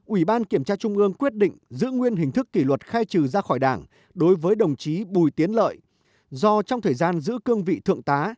ủy ban kiểm tra trung ương quyết định giữ nguyên hình thức kỷ luật khai trừ ra khỏi đảng đối với đồng chí bùi tiến lợi do trong thời gian giữ cương vị thượng tá